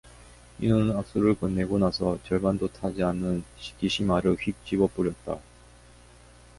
인호는 악수를 건네고 나서 절반도 타지 않은 시키시마를 휙 집어뿌렸다.